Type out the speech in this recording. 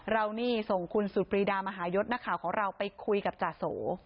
เรานี่ส่งคุณสุดปรีดามหายศนักข่าวของเราไปคุยกับจาโส